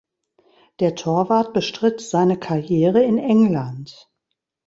Der Torwart bestritt seine Karriere in England.